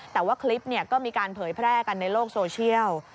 แต่ว่าคลิปก็มีการเผยแพร่กันในโลกโซเชียล